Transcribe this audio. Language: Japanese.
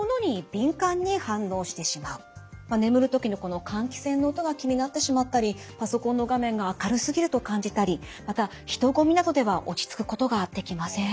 眠る時のこの換気扇の音が気になってしまったりパソコンの画面が明るすぎると感じたりまた人混みなどでは落ち着くことができません。